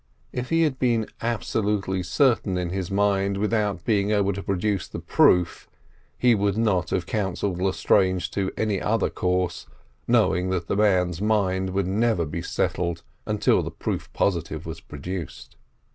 If he had been absolutely certain in his mind without being able to produce the proof, he would not have counselled Lestrange to any other course, knowing that the man's mind would never be settled until proof positive was produced.